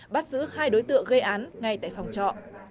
bắt giữ hai đối tượng gây án ngay tại phòng trọ